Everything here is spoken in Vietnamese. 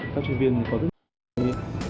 các chuyên viên có rất nhiều kỹ năng